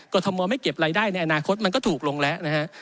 ทมไม่เก็บรายได้ในอนาคตมันก็ถูกลงแล้วนะฮะ